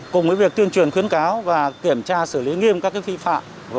cùng với việc tuyên truyền khuyến cáo và kiểm tra xử lý nghiêm các phi phạm